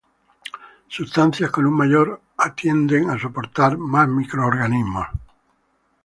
Sustancias con un mayor a tienden a soportar más microorganismos.